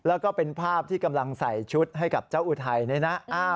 แล้วก็เป็นภาพที่กำลังใส่ชุดให้กับเจ้าอุทัยนี่นะ